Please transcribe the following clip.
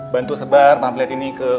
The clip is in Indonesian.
bantu sebar pamflet ini ke